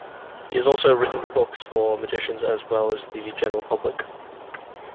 He has also written books for magicians as well as the general public.